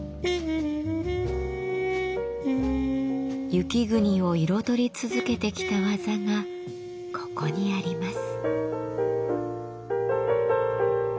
雪国を彩り続けてきた技がここにあります。